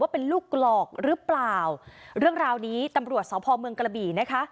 เป็นลูกหลอกหรือเปล่าเรื่องราวนี้ตำรวจสพเมืองกระบี่นะคะ